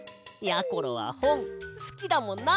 やころはほんすきだもんな。